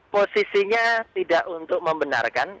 posisinya tidak untuk membenarkan